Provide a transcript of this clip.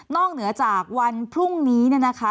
นอกเหนือจากวันพรุ่งนี้นะคะ